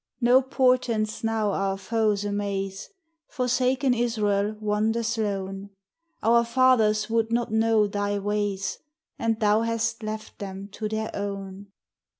No portents now our foes amaze, Forsaken Israel wanders lone : Our fathers would not know Thy ways, And Thou hast left them to their own.